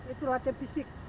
itu latihan fisik